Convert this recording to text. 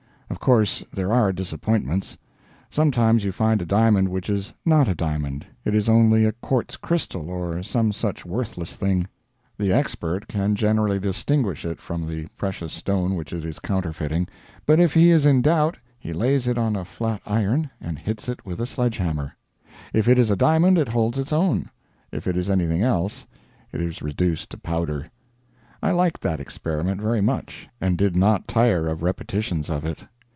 Of course there are disappointments. Sometimes you find a diamond which is not a diamond; it is only a quartz crystal or some such worthless thing. The expert can generally distinguish it from the precious stone which it is counterfeiting; but if he is in doubt he lays it on a flatiron and hits it with a sledgehammer. If it is a diamond it holds its own; if it is anything else, it is reduced to powder. I liked that experiment very much, and did not tire of repetitions of it.